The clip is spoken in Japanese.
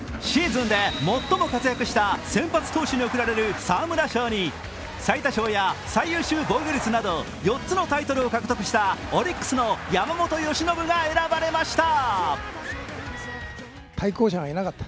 シーズンで最も活躍した先発投手に贈られる沢村賞に最多勝や最優秀防御率など４つのタイトルを獲得した、オリックスの山本由伸が選ばれました。